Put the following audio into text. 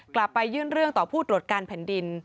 กลับไปยื่นเรื่องต่อผู้ตรวจการแผ่นดิน